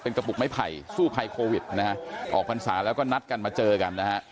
กระปุกไม้ไผ่สู้ภัยโควิดนะฮะออกพรรษาแล้วก็นัดกันมาเจอกันนะฮะ